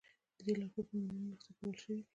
د دې لارښود په میلیونونو نسخې پلورل شوي دي.